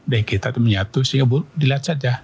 dari kita itu minyak itu seburung dilihat saja